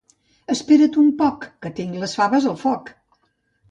Espera't un poc, que tinc les faves al foc.